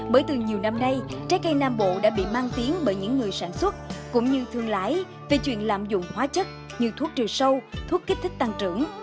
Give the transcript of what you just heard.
bởi từ nhiều năm nay trái cây nam bộ đã bị mang tiếng bởi những người sản xuất cũng như thương lái về chuyện lạm dụng hóa chất như thuốc trừ sâu thuốc kích thích tăng trưởng